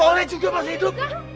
boleh juga masih hidup